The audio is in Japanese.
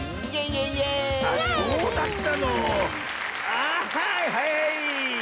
あはいはい。